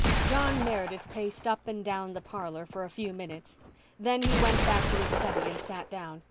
John Meredith paced up and down the parlour for a few minutes; then he went back to his study and sat down.